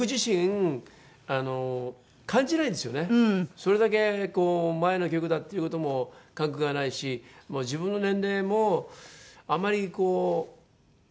それだけこう前の曲だっていう事も感覚がないし自分の年齢もあんまりこうとらわれないっていうか